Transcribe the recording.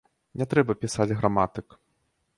Не трэба пісаць граматык!